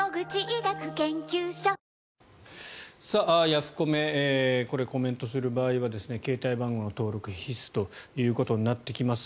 ヤフコメコメントする場合は携帯電話番号の登録必須となってきます。